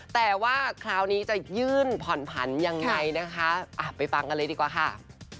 แต่ว่าคราวนี้จะยื่นผ่อนผันยังไงนะคะไปฟังกันเลยดีกว่าค่ะ